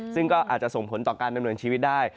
ซึ่งก็อาจจะส่งผลต่อการดำเนินชีวิตได้